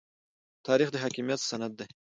تاریخ د حاکمیت سند دی.